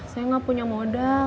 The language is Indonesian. saya gak punya modal